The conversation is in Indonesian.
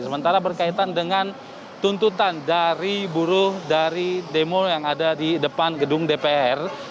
sementara berkaitan dengan tuntutan dari buruh dari demo yang ada di depan gedung dpr